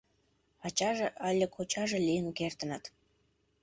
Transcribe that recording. Ачаже але кочаже лийын кертыныт.